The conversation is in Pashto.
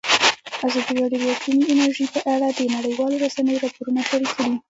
ازادي راډیو د اټومي انرژي په اړه د نړیوالو رسنیو راپورونه شریک کړي.